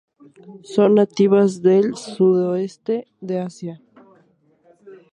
Son nativas del sudeste de Asia.